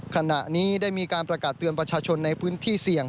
ขณะนี้ได้มีการประกาศเตือนประชาชนในพื้นที่เสี่ยง